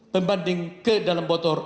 pembanding ke dalam botol